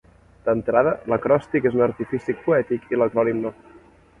D'entrada, l'acròstic és un artifici poètic i l'acrònim no.